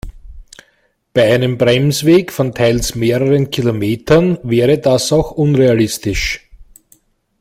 Bei einem Bremsweg von teils mehreren Kilometern wäre das auch unrealistisch.